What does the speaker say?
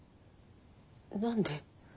何で？